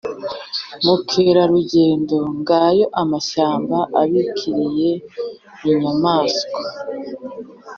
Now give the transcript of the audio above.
bukerarugendo. Ngayo amashyamba abikiriye inyamaswa